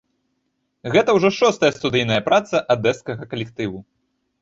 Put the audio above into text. Гэта ўжо шостая студыйная праца адэскага калектыву.